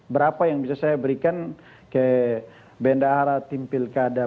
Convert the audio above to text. berapa yang bisa saya berikan ke bendahara tim pilkada